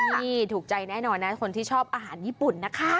นี่ถูกใจแน่นอนนะคนที่ชอบอาหารญี่ปุ่นนะคะ